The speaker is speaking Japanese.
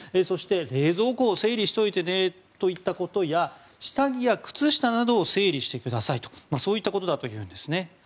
そして、冷蔵庫を整理しておいてねといったことや下着や靴下などを整理してくださいとそういったことだというんです。